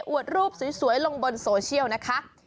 วดรูปสวยลงบนโซเชียลนะคะ